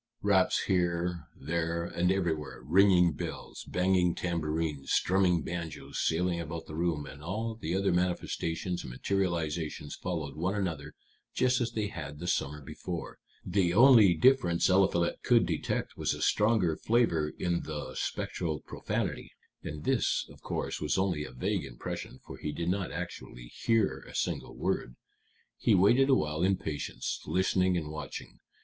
Raps here, there, and everywhere, ringing bells, banging tambourines, strumming banjos sailing about the room, and all the other manifestations and materializations followed one another just as they had the summer before. The only difference Eliphalet could detect was a stronger flavor in the spectral profanity; and this, of course, was only a vague impression, for he did not actually hear a single word. He waited awhile in patience, listening and watching.